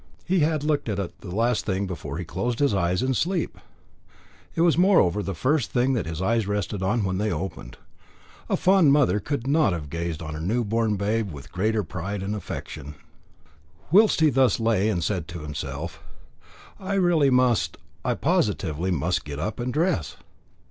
He had looked at it the last thing before he closed his eyes in sleep. It was moreover the first thing that his eyes rested on when they opened. A fond mother could not have gazed on her new born babe with greater pride and affection. Whilst he thus lay and said to himself, "I really must I positively must get up and dress!"